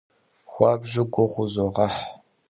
Xuabju guğu vuzoğeh.